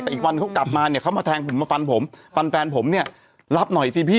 แต่อีกวันเขากลับมาเนี่ยเขามาแทงผมมาฟันผมฟันแฟนผมเนี่ยรับหน่อยสิพี่